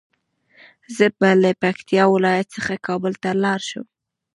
زه به له پکتيا ولايت څخه کابل ته لاړ شم